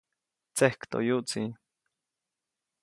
Tsekjtoyuʼtsi.